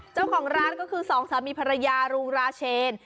เจ้าของร้านก็คือสองสามีภรรยาลุงราเชน